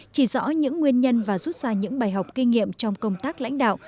chỉ rõ những nguyên nhân và rút ra những bài học kinh nghiệm trong công tác lãnh đạo